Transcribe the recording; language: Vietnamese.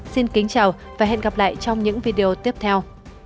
xin kính chào và hẹn gặp lại trong những video tiếp theo